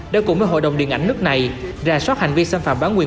đã cùng với hội đồng điện ảnh nước này ra soát hành vi xâm phạm bán quyền